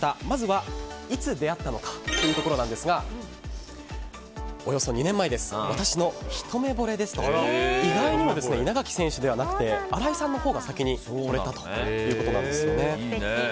まずはいつ出会ったのかというところですがおよそ２年前です私のひと目ぼれですと意外にも稲垣選手ではなくて新井さんのほう先にほれたということなんですよね。